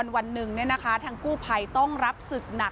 วันหนึ่งทางกู้ภัยต้องรับศึกหนัก